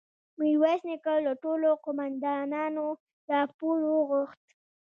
ميرويس نيکه له ټولو قوماندانانو راپور وغوښت.